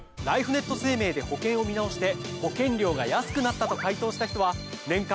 ライフネット生命で保険を見直して保険料が安くなったと回答した人は。